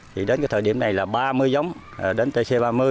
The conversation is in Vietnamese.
thì đến cái thời điểm này là ba mươi giống đến tc ba mươi